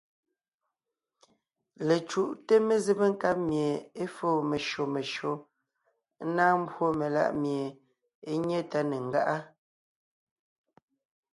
Lecǔʼte mezébé nkáb mie é fóo meshÿó meshÿó, ńnáa mbwó meláʼ mie é nyé tá ne ńgáʼa.